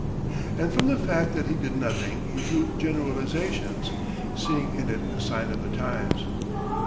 And from the fact that he did nothing he drew generalizations, seeing in it a sign of the times.